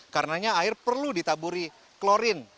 karenanya air perlu ditaburi klorin